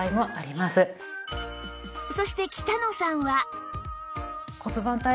そして北野さんは？